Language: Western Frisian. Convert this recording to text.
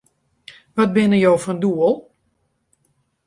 Wat binne jo fan doel?